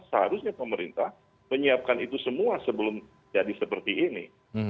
seharusnya pemerintah menyiapkan itu semua sebelum jadi seperti ini